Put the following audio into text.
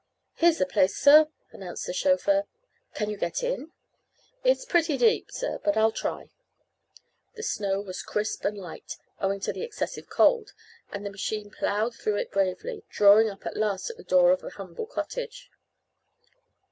"Here's the place, sir," announced the chauffeur. "Can you get in?" "It's pretty deep, sir, but I'll try." The snow was crisp and light, owing to the excessive cold, and the machine plowed through it bravely, drawing up at last to the door of an humble cottage.